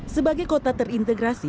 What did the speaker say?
sebagai kota terintegrasi